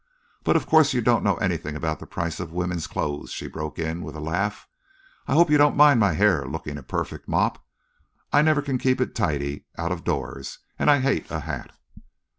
"But of course you don't know anything about the price of women's clothes," she broke in with a laugh. "I hope you don't mind my hair looking a perfect mop. I never can keep it tidy out of doors, and I hate a hat."